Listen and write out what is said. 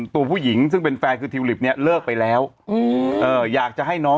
ตัวผู้หญิงซึ่งเป็นแฟนคือทิวลิปเนี่ยเลิกไปแล้วอยากจะให้น้อง